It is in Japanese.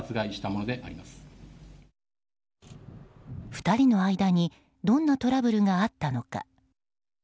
２人の間にどんなトラブルがあったのか。